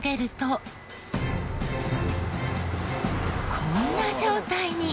こんな状態に！